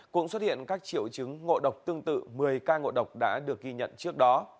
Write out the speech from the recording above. cũng xuất hiện các triệu chứng ngộ độc tương tự một mươi ca ngộ độc đã được ghi nhận trước đó